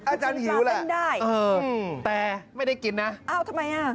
อาจารย์หิวแล้วเออแต่ไม่ได้กินนะอ้าวทำไมน่ะ